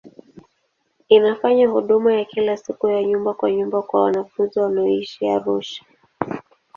Inafanya huduma ya kila siku ya nyumba kwa nyumba kwa wanafunzi wanaoishi Arusha.